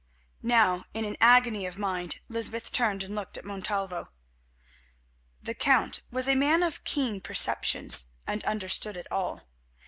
Now, in an agony of mind, Lysbeth turned and looked at Montalvo. The Count was a man of keen perceptions, and understood it all.